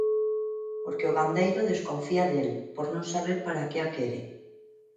Porque o gandeiro desconfía del, por non saber para que a quere.